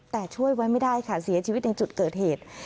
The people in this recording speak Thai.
แต่ช่วยไว้ไม่ได้ค่ะเสียชีวิตในจุดเกิดเหตุ